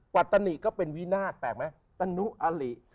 ปัตนิก็เป็นวินาศแปลกไหมตนุอลิ